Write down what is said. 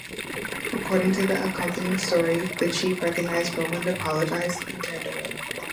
According to the accompanying story, the chief recognized Rowand, apologized, and turned away.